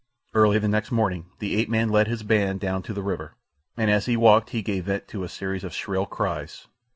Early the next morning the ape man led his band down to the river, and as he walked he gave vent to a series of shrill cries.